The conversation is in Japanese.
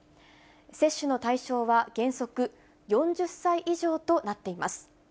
接種の対象は原則４０歳以上となっています。